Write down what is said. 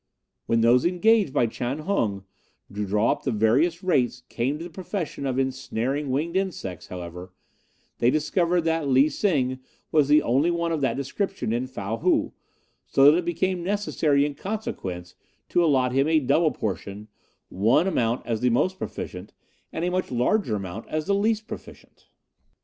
When those engaged by Chang Hung to draw up the various rates came to the profession of ensnaring winged insects, however, they discovered that Lee Sing was the only one of that description in Fow Hou, so that it became necessary in consequence to allot him a double portion, one amount as the most proficient, and a much larger amount as the least proficient.